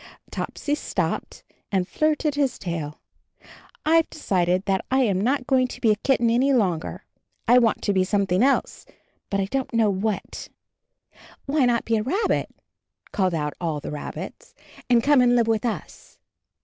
Topsy stopped, and flirted his tail. "I've decided that I am not going to be a kitten any longer. I want to be something else, but I don't know what." AND HIS KITTEN TOPSY 17 "Why not be a rabbit?'' called out all the rabbits, "and come and live with us?"